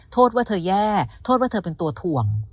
โทษว่าเธอแย่โทษว่าเธอเป็นตัวถ่วง